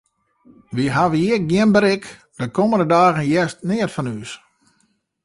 Wy hawwe hjir gjin berik, dus de kommende dagen hearst neat fan ús.